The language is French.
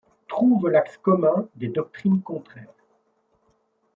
Trouve l’axe commun des doctrines contraires